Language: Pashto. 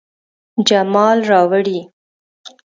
جمال راوړي